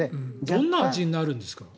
どんな味になるんですか。